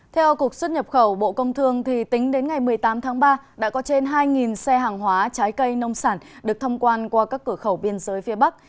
theo cục xuất nhập khẩu bộ công thương tính đến ngày một mươi tám tháng ba đã có trên hai xe hàng hóa trái cây nông sản được thông quan qua các cửa khẩu biên giới phía bắc